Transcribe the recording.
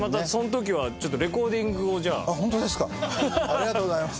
ありがとうございます。